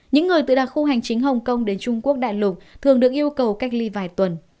những người từ đặc khu hành chính hồng kông đến trung quốc đại lục thường được yêu cầu cách ly vài tuần